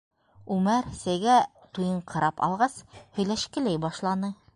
Үмәр, сәйгә туйыңҡырап алғас, һөйләшкеләй башланы: